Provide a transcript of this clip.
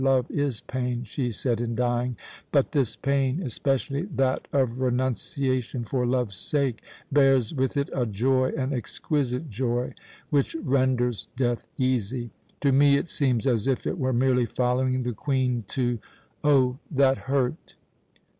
Love is pain," she said in dying, "but this pain especially that of renunciation for love's sake bears with it a joy, an exquisite joy, which renders death easy. To me it seems as if it were merely following the Queen to Oh, that hurt!"